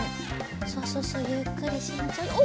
そうそうそうゆっくりしんちょうにおっ！